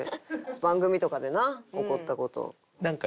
番組とかでな怒った事。